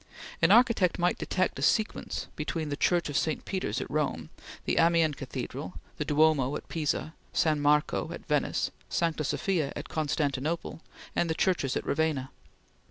An architect might detect a sequence between the Church of St. Peter's at Rome, the Amiens Cathedral, the Duomo at Pisa, San Marco at Venice, Sancta Sofia at Constantinople and the churches at Ravenna.